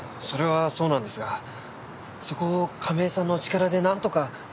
それはそうなんですがそこを亀井さんのお力でなんとか。